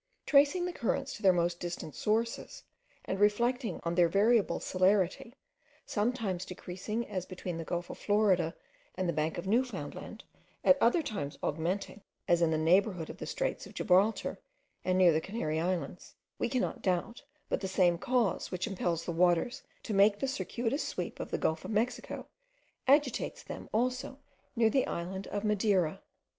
Tracing the currents to their most distant sources, and reflecting on their variable celerity, sometimes decreasing as between the gulf of Florida and the bank of Newfoundland; at other times augmenting, as in the neighbourhood of the straits of Gibraltar, and near the Canary Islands, we cannot doubt but the same cause which impels the waters to make the circuitous sweep of the gulf of Mexico, agitates them also near the island of Madeira.